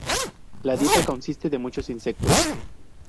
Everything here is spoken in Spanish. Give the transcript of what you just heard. La dieta consiste de muchos insectos.